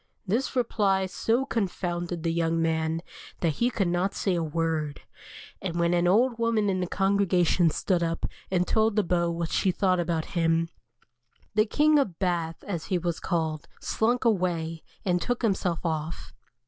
This reply so confounded the young man that he could not say a word, and when an old woman in the congregation stood up and told the Beau what she thought about him, the "King of Bath," as he was called, slunk away, and took himself off.